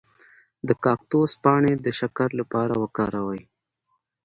د کاکتوس پاڼې د شکر لپاره وکاروئ